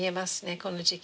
この時期。